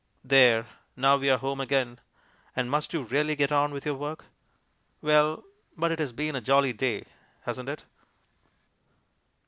There! Now we're home again. And must you really get on with your work? Well, but it has been a jolly day, hasn't it?